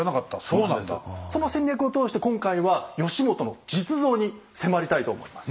その戦略を通して今回は義元の実像に迫りたいと思います。